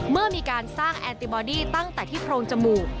เมื่อมีการสร้างแอนติบอดี้ตั้งแต่ที่โพรงจมูก